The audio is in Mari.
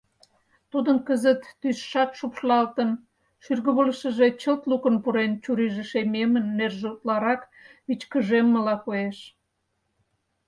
Тудын кызыт тӱсшат шупшылалтын, шӱргывылышыже чылт лукын пурен, чурийже шемемын, нерже утларак вичкыжеммыла коеш.